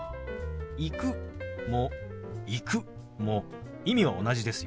「行く」も「行く」も意味は同じですよ。